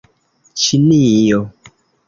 ĉinio